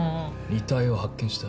遺体を発見した。